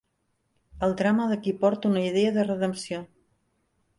El drama de qui porta una idea de redempció